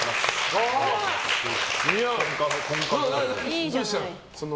どうしたの？